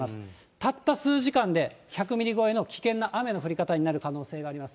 たった数時間で、１００ミリ超えの危険な雨の降り方になる可能性があります。